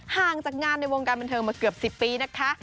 ห่างจากงานในวงการบันเทิงมาเกือบ๑๐ปีนะคะ